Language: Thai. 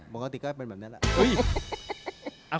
ปกติก็เป็นแบบนี้แหละ